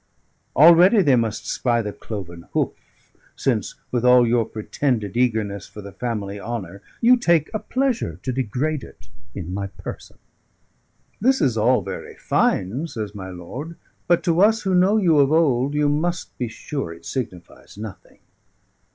Already they must spy the cloven hoof, since with all your pretended eagerness for the family honour, you take a pleasure to degrade it in my person." "This is all very fine," says my lord; "but to us who know you of old, you must be sure it signifies nothing.